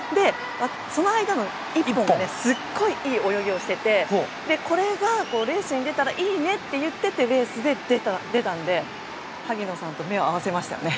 その間の１本ですごいいい泳ぎをしていてこれがレースに出たらいいねって言っててレースで出たので萩野さんと目を合わせましたよね。